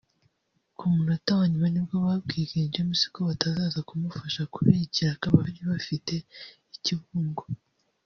Ku munota wa nyuma nibwo babwiye King James ko batazaza kumufasha kubera ikiraka bari bafite i Kibungo